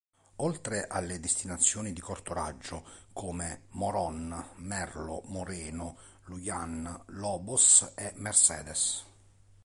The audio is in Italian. Oltre alle destinazioni di corto raggio, come Morón, Merlo, Moreno, Luján, Lobos, e Mercedes.